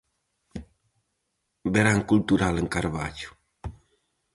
Verán cultural en Carballo.